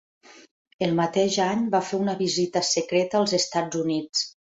El mateix any va fer una visita secreta als Estats Units.